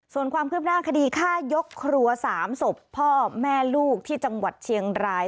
ส่วนความคืบหน้าคดีฆ่ายกครัว๓ศพพ่อแม่ลูกที่จังหวัดเชียงราย